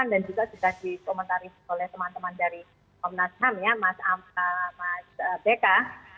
dan juga juga dikomentarin oleh teman teman dari komnas ham ya mas amka mas beka